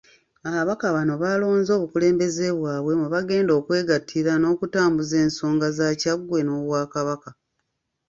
Ababaka bano baalonze obukulembeze bwabwe mwe bagenda okwegattira n'okutambuza ensonga za Kyaggwe n'Obwakabaka.